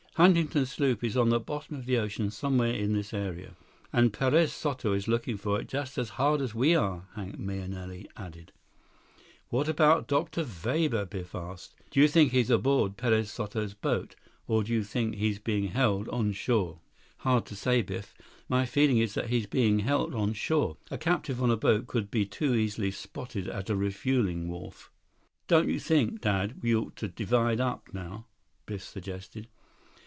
"Huntington's sloop is on the bottom of the ocean somewhere in this area." "And Perez Soto is looking for it just as hard as we are," Hank Mahenili added. "What about Dr. Weber?" Biff asked. "Do you think he's aboard Perez Soto's boat, or do you think he's being held on shore?" 103 "Hard to say, Biff. My feeling is that he's being held on shore. A captive on a boat could be too easily spotted at a refueling wharf." "Don't you think, Dad, that we ought to divide up now?" Biff suggested.